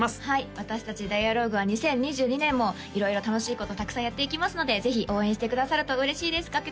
はい私達ＤＩＡＬＯＧＵＥ＋は２０２２年も色々楽しいことたくさんやっていきますのでぜひ応援してくださると嬉しいです